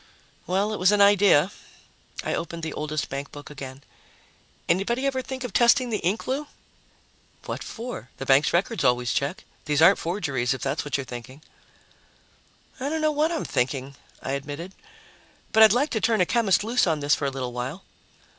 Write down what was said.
"Well, it was an idea." I opened the oldest bankbook again. "Anybody ever think of testing the ink, Lou?" "What for? The banks' records always check. These aren't forgeries, if that's what you're thinking." "I don't know what I'm thinking," I admitted. "But I'd like to turn a chemist loose on this for a little while."